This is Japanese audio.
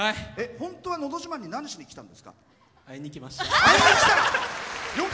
本当は「のど自慢」に何しにきたんですか？